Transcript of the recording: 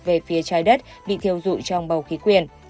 về phía trái đất bị thiêu dụi trong bầu khí quyển